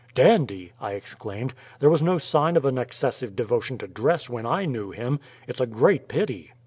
"Dandy!" I exclaimed. "There was no sign of an excessive devotion to dress when I knew him. It's a great pity!"